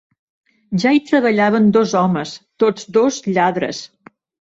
Ja hi treballaven dos homes, tots dos lladres.